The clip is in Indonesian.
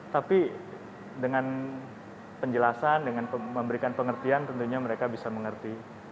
tapi dengan penjelasan dengan memberikan pengertian tentunya mereka bisa mengerti